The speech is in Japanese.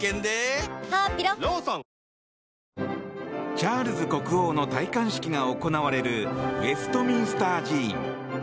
チャールズ国王の戴冠式が行われるウェストミンスター寺院。